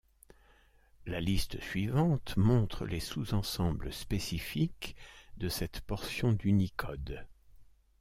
La liste suivante montre les sous-ensembles spécifiques de cette portion d’Unicode.